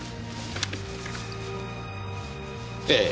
ええ。